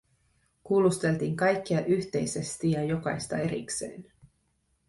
Kuulusteltiin kaikkia yhteisesti ja jokaista erikseen.